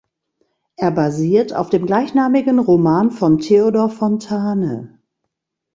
Er basiert auf dem gleichnamigen Roman von Theodor Fontane.